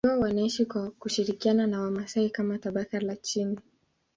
Wengi wao wanaishi kwa kushirikiana na Wamasai kama tabaka la chini.